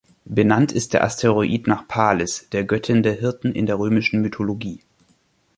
Benannt ist der Asteroid nach Pales, der Göttin der Hirten in der römischen Mythologie.